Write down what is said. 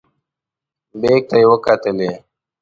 بیک ته یې وکتلې.